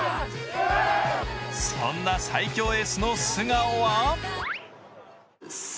そんな最強エースの素顔は？